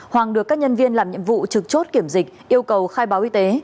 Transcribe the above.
hoàng được các nhân viên làm nhiệm vụ trực chốt kiểm dịch yêu cầu khai báo y tế